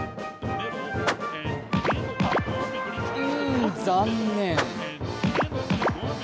うーん、残念。